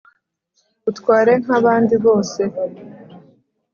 utware nk'abandi bose.'